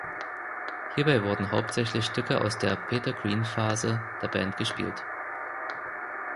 Hierbei wurden hauptsächlich Stücke aus der Peter-Green-Phase der Band gespielt.